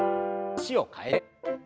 脚を替えて。